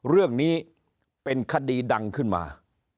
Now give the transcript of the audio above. เรื่องนี้เป็นคดีดังขึ้นมา